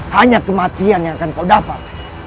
hanya kematian yang akan kau dapat